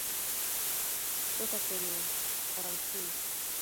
Weka kwenye karantini